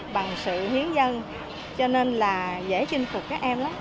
bằng sự hiến dân cho nên là dễ chinh phục các em lắm